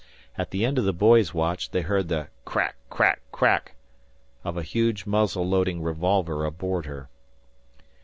At the end of the boys' watch they heard the crack crack crack of a huge muzzle loading revolver aboard her.